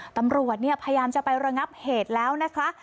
ตำรวจเนี่ยพยายามจะไประงับเหตุแล้วนะคะ